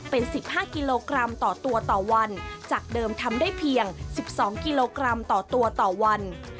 เป็น๑๕กิโลกรัมต่อตัวต่อวันจากเดิมทำได้เพียง๑๒กิโลกรัมต่อตัวต่อวัน